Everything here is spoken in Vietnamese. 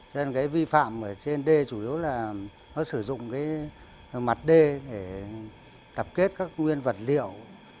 cho nên vi phạm trên đê chủ yếu là sử dụng mặt đê để tập kết các nguyên vật liệu